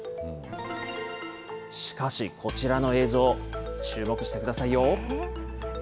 しかし、こちらの映像、注目してくださいよ。